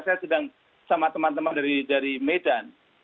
saya sedang sama teman teman dari medan